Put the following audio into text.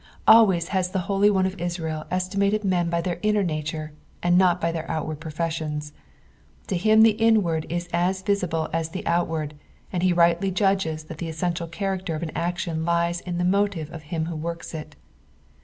Always has the Hnlj One of Israel estimated men by their inner nature, and not by their outward professions ; to him the inward la as visible as the outward, and he rightly judges that the essential character of an action lies in the motive of him who works it.